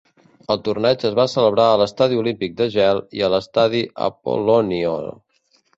El torneig es va celebrar a l'Estadi Olímpic de Gel i a l'Estadi Apollonio.